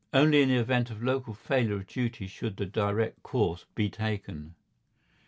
Only in the event of a local failure of duty should the direct course be taken.